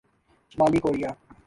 شمالی کوریا